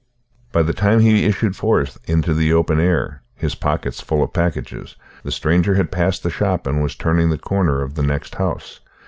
By the time he issued forth into the open air, his pockets full of packages, the stranger had passed the shop and was turning the corner of the next house.